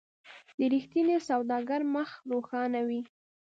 د رښتیني سوداګر مخ روښانه وي.